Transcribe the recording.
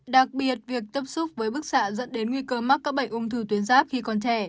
đặc biệt việc tiếp xúc với bức xạ dẫn đến nguy cơ mắc các bệnh ung thư tuyến giáp khi còn trẻ